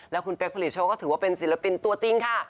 แล้วคุณเป๊กผลิตโชคก็ถือว่าเป็นศิลปินตัวจริงค่ะ